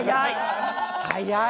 早い！